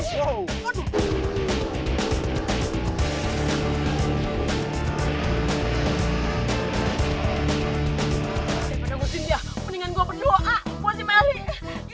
sebelum ada musim dia mendingan gua berdoa buat si melly